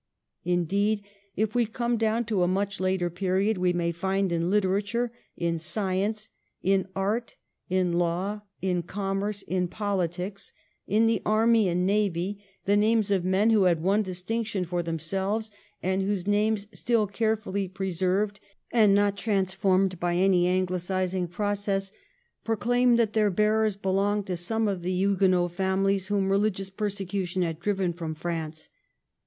Indeed, if we come down to a much later period we may find in hterature, in science, in art, in law, in commerce, in politics, in the army and navy, the names of men who have won distinc tion for themselves, and whose names, still carefully preserved and not transformed by any Anglicising process, proclaim that their bearers belong to some of the Huguenot families whom reUgious persecution had driven from France.